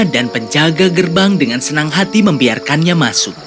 dan penjaga gerbang dengan senang hati membiarkannya masuk